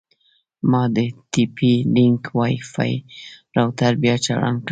ما د ټي پي لینک وای فای روټر بیا چالان کړ.